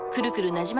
なじま